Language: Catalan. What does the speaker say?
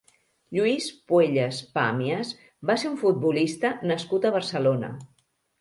Lluís Puelles Pàmies va ser un futbolista nascut a Barcelona.